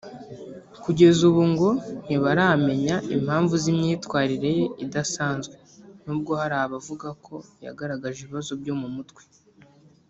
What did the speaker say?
Kugeza ubu ngo ntibaramenya impamvu z’imyitwarire ye idasanzwe nubwo hari abavuga ko yagaragaje ibibazo byo mu mutwe